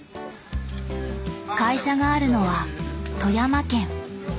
会社があるのは富山県。